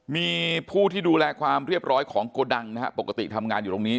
มีผู้ที่ดูแลความเรียบร้อยของโกดังนะฮะปกติทำงานอยู่ตรงนี้